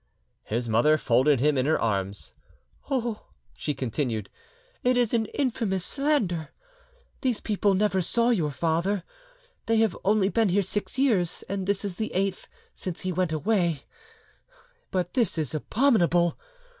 His mother folded him in her arms. "Oh!" she continued, "it is an infamous slander! These people never saw your father, they have only been here six years, and this is the eighth since he went away, but this is abominable!